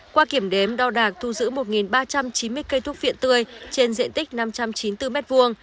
qua kiểm đếm đo đạc thu giữ một ba trăm chín mươi cây thuốc viện tươi trên diện tích năm trăm chín mươi bốn m hai